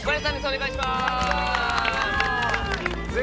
お願いします。